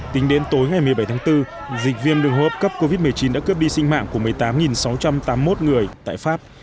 tính đến tối ngày một mươi bảy tháng bốn dịch viêm đường hô hấp cấp covid một mươi chín đã cướp đi sinh mạng của một mươi tám sáu trăm tám mươi một người tại pháp